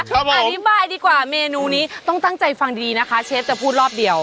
อธิบายดีกว่าเมนูนี้ต้องตั้งใจฟังดีนะคะเชฟจะพูดรอบเดียว